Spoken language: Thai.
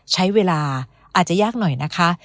ใช้เวลาอาจจะยากหน่อยนะคะ